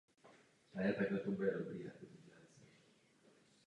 Dříve tuto roli plnili Troy Hahn či Jay Berger.